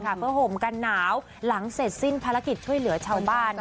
เพื่อห่มกันหนาวหลังเสร็จสิ้นภารกิจช่วยเหลือชาวบ้าน